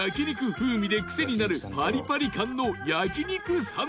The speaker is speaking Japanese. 風味でクセになるパリパリ感の焼肉さん